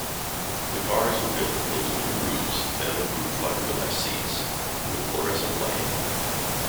The cars were built with aluminum roofs, vandal-proof fiberglass seats, and with fluorescent lighting.